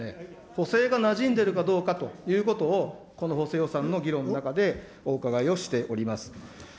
補正がなじんでるかどうかということを、この補正予算の議論の中で、お伺いをしております。